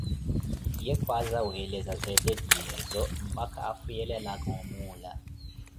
Ye kwaaza weeleza zeettehyeezo mpakha afiyelelaka omuula.